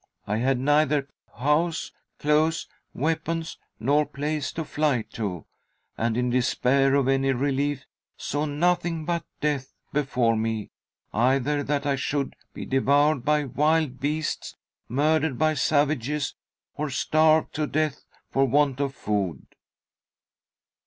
I had neither house, clothes, weapons, nor place to fly to, and in despair of any relief saw nothing but death before me, either that I should be devoured by wild beasts, murdered by savages, or starved to death for want of food.'"